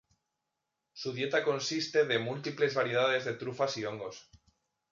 Su dieta consiste de múltiples variedades de trufas y hongos.